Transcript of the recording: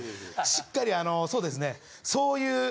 しっかりそうですね。